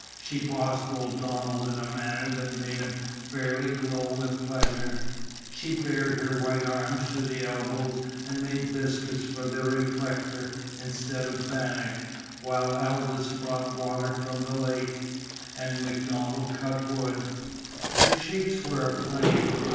She bossed old Donald in a manner that made him fairly glow with pleasure. She bared her white arms to the elbows and made biscuits for the "reflector" instead of bannock, while Aldous brought water from the lake, and MacDonald cut wood. Her cheeks were aflame.